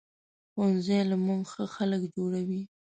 ښوونځی له مونږ ښه خلک جوړوي